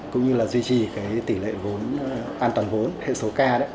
cũng như là duy trì cái tỷ lệ vốn an toàn vốn hệ số k đấy